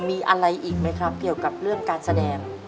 มีอะไรอีกไหมครับเกี่ยวกับเรื่องการแสดง